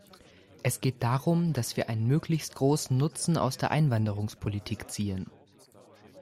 Es geht darum, dass wir einen möglichst großen Nutzen aus der Einwanderungspolitik ziehen.